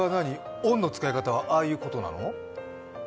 オンの使い方はああいうことなの？